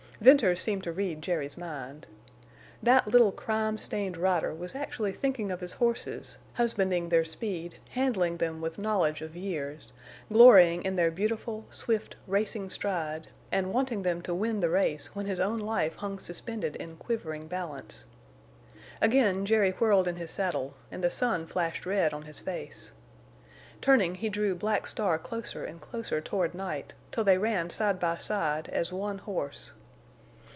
Venters seemed to read Jerry's mind. That little crime stained rider was actually thinking of his horses, husbanding their speed, handling them with knowledge of years, glorying in their beautiful, swift, racing stride, and wanting them to win the race when his own life hung suspended in quivering balance. Again Jerry whirled in his saddle and the sun flashed red on his face. Turning, he drew Black Star closer and closer toward Night, till they ran side by side, as one horse.